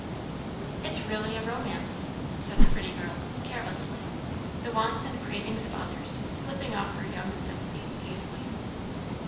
"It's really a romance," said the pretty girl, carelessly, the wants and cravings of others slipping off her young sympathies easily.